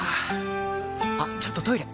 あっちょっとトイレ！